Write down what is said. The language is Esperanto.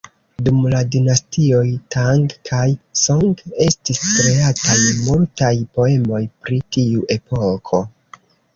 Dum la Dinastioj Tang kaj Song, estis kreataj multaj poemoj pri tiu epoko.